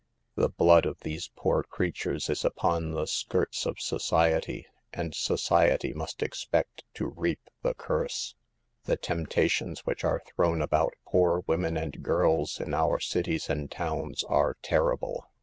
The blood of these poor creatures is upon the skirts of society, and society must expect to reap the curse. The temptations which are thrown about poor women and girls in our cities and towns are terrible.